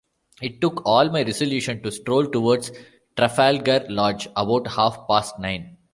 It took all my resolution to stroll towards Trafalgar Lodge about half-past nine.